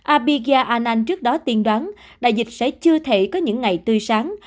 abhigya anand trước đó tiên đoán đại dịch sẽ chưa thể có những ngày tươi sáng